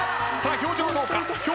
表情はどうか？